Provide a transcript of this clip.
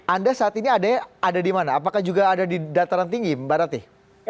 anda saat ini ada di mana apakah juga ada di dataran tinggi mbak ratih